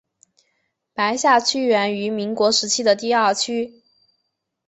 白下区源于民国时期的第二区。